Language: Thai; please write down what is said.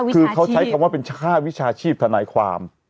คือเขาใช้คำว่าเป็นค่าวิชาชีพทนายความ